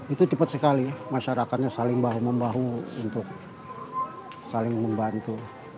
itu cepat sekali masyarakatnya saling bahu membahu untuk saling membantu